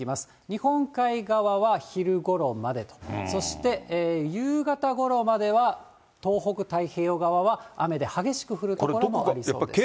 日本海側は昼ごろまでと、そして夕方ごろまでは東北太平洋側は、雨で激しく降る所もありそうです。